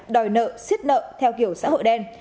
đòi nợ xiết nợ theo kiểu xã hội đen